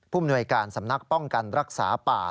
มนวยการสำนักป้องกันรักษาป่า